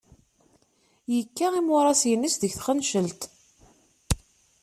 Yekka imuras-nnes deg Txencelt.